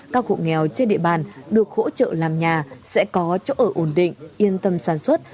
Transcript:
các hộ nghèo trên địa bàn được hỗ trợ làm nhà sẽ có chỗ ở ổn định yên tâm sản xuất